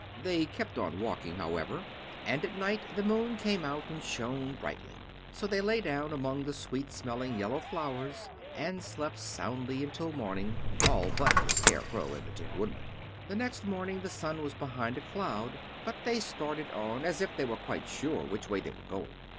They kept on walking, however, and at night the moon came out and shone brightly. So they lay down among the sweet smelling yellow flowers and slept soundly until morning—all but the Scarecrow and the Tin Woodman. The next morning the sun was behind a cloud, but they started on, as if they were quite sure which way they were going.